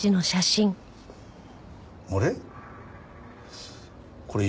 あれ？